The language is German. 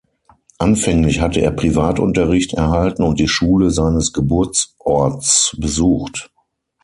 Anfänglich hatte er Privatunterricht erhalten und die Schule seines Geburtsorts besucht.